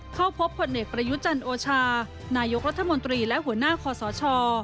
เข้าพบผลเอกประยุจันโอชานายกรัฐมนตรีและหัวหน้าคอสช